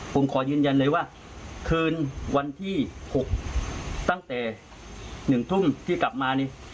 ผมขอยืนยันเลยว่าคืนวันที่๖ตั้งแต่๑ทุ่มที่กลับมานี่